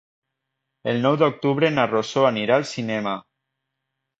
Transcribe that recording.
El nou d'octubre na Rosó anirà al cinema.